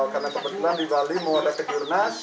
karena kebetulan di bali mau ada kejurnas